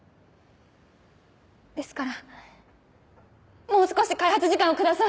ですからもう少し開発時間をください。